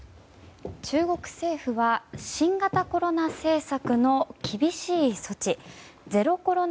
中国政府は新型コロナ政策の厳しい措置ゼロコロナ